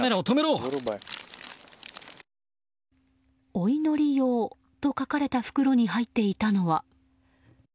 お祈り用と書かれた袋に入っていたのは。